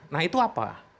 nah itu apa